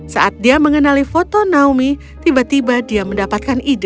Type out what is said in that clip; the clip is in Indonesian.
saat dia mengenali foto naomi tiba tiba dia mendapatkan ide